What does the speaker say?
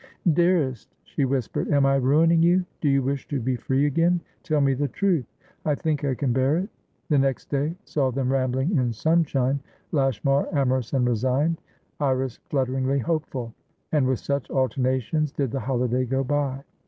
"Dearest!" she whispered. "Am I ruining you? Do you wish to be free again? Tell me the truth; I think I can bear it." The next day saw them rambling in sunshine, Lashmar amorous and resigned, Iris flutteringly hopeful. And with such alternations did the holiday go by.